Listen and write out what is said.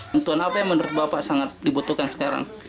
tentuan apa yang menurut bapak sangat dibutuhkan sekarang